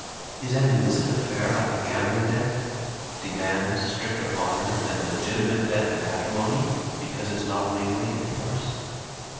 "Is an illicit affair like a gambling debt demands stricter honor than the legitimate debt of matrimony, because it's not legally enforced?